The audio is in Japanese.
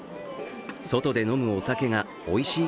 外で飲むお酒がおいしい